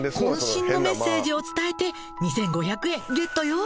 渾身のメッセージを伝えて２，５００円ゲットよ。